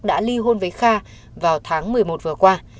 đã ly hôn với kha vào tháng một mươi một vừa qua